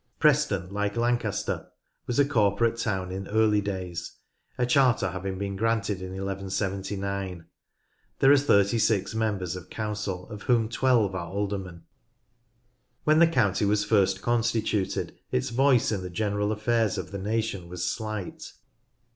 Preston, like Lancaster, was a corporate town in early days, a charter having been granted in 11 79. There are ADMINISTRATION AXI) DIVISIONS 149 thirty six members of council of whom twelve are alder men. When the county was first constituted its voice in the general affairs of the nation was slight.